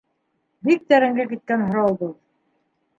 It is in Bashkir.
Бик тәрәнгә киткән һорау был.